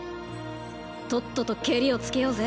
とっととケリをつけようぜ。